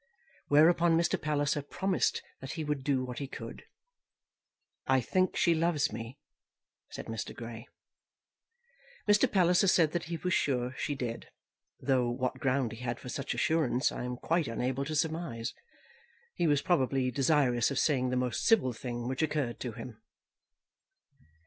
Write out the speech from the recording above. Whereupon, Mr. Palliser promised that he would do what he could. "I think she loves me," said Mr. Grey. Mr. Palliser said that he was sure she did, though what ground he had for such assurance I am quite unable to surmise. He was probably desirous of saying the most civil thing which occurred to him.